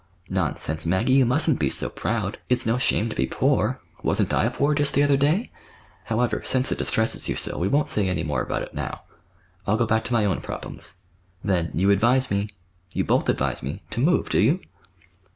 "Nonsense, Maggie, you mustn't be so proud. It's no shame to be poor. Wasn't I poor just the other day? However, since it distresses you so, we won't say any more about it now. I'll go back to my own problems. Then, you advise me—you both advise me—to move, do you?"